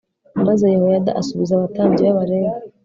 Maze Yehoyada asubiza abatambyi b Abalewi